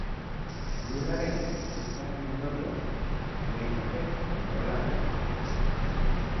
Elurraren eta izotzaren ondorioz kamioi batek kontrola galdu du.